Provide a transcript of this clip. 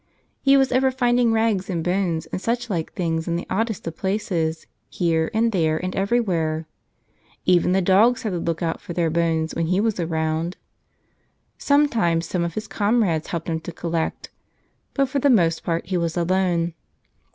He was ever finding rags and bones and such like things in the oddest of places, here and there and everywhere. Even the dogs had to look out for their bones when he was around. Sometimes some of his comrades helped him to collect, but for the most part he was alone.